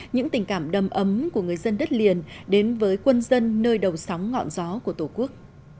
những tình cảm đầm ấm của người dân đất liền đến với quân dân nơi đầu sóng ngọn gió của tổ quốc